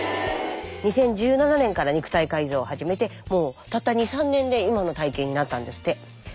２０１７年から肉体改造を始めてもうたった２３年で今の体形になったんですって。